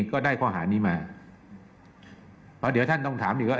ก็ได้ข้อหานี้มาเดี๋ยวท่านต้องถามดีก็